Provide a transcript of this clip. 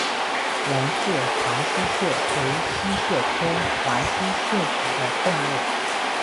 兰氏华溪蟹为溪蟹科华溪蟹属的动物。